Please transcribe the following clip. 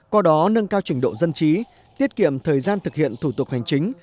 qua đó nâng cao trình độ dân chí tiết kiệm thời gian thực hiện thổ tục hành chính